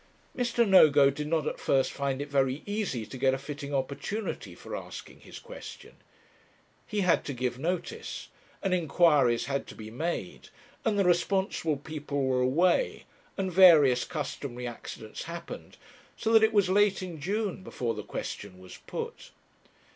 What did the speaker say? Mr. Nogo did not at first find it very easy to get a fitting opportunity for asking his question. He had to give notice, and inquiries had to be made, and the responsible people were away, and various customary accidents happened, so that it was late in June before the question was put.